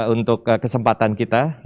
untuk kesempatan kita